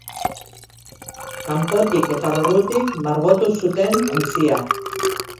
Kanpotik eta barrutik margotu zuten ontzia.